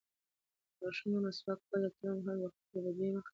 د غاښونو مسواک کول یا کریم وهل د خولې د بدبویۍ مخه نیسي.